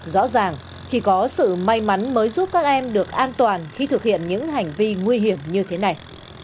rõ ràng chỉ có sự may mắn mới giúp các em được an toàn khi thực hiện những hành vi nguy hiểm như thế này